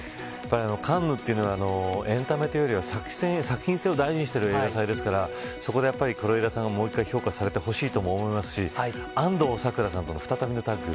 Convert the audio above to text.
カンヌというのはエンタメというよりは作品性を大事にしている映画祭ですので是枝さんがもう１回評価されてほしいと思いますし安藤サクラさんとの再びのタッグ。